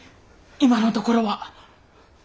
今のところは。